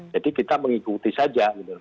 jadi kita mengikuti saja